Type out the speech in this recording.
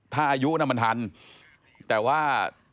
ถ้าอายุน่ะมันทันแต่ว่า